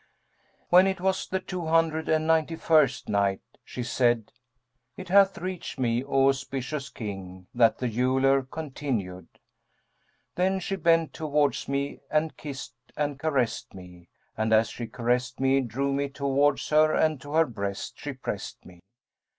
When it was the Two Hundred and Ninety first Night, She said, It hath reached me, O auspicious King, that the Jeweller continued: "Then she bent towards me and kissed and caressed me; and, as she caressed me, drew me towards her and to her breast she pressed me.